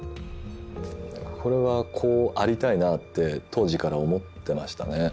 これはこうありたいなって当時から思ってましたね。